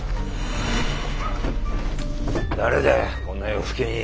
誰だよこんな夜更けに。